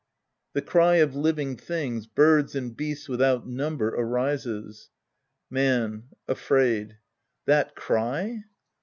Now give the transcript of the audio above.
{^he cry of living things, birds and beasts tvithout number, arises^ Man {afraid). That ciy